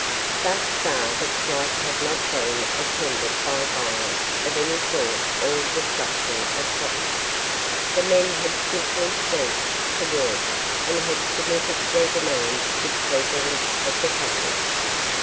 Thus far the strike had not been attended by violence of any sort or the destruction of property. The men had simply ceased to work and had submitted their demands to the president of the company.